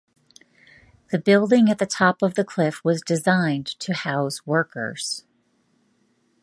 The building at the top of the cliff was designed to house workers.